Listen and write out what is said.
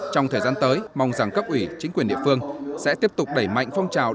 trong thời gian tới mong rằng cấp ủy chính quyền địa phương sẽ tiếp tục đẩy mạnh phong trào